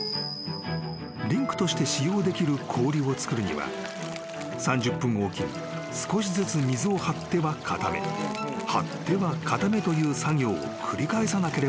［リンクとして使用できる氷を作るには３０分置きに少しずつ水を張っては固め張っては固めという作業を繰り返さなければならない］